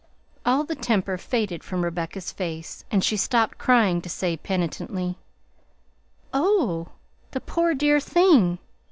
All the temper faded from Rebecca's face, and she stopped crying to say penitently, "Oh! the poor dear thing!